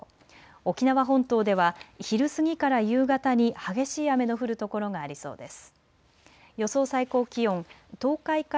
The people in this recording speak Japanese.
沖縄本島では昼過ぎから夕方に激しい雨の降る所がありそうです。